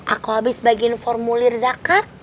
aku habis bagiin formulir zakat